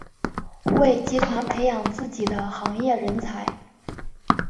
为集团培养自己的行业人才。